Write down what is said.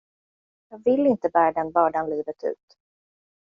Jag vill inte bära den bördan livet ut.